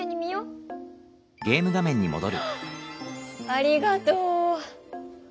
ありがとう！